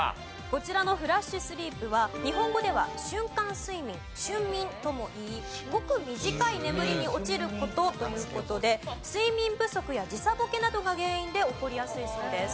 こちらのフラッシュスリープは日本語では瞬間睡眠瞬眠ともいいごく短い眠りに落ちる事という事で睡眠不足や時差ボケなどが原因で起こりやすいそうです。